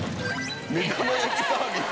目玉焼きサービス？